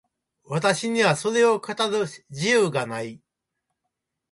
私にはそれを語る自由がない。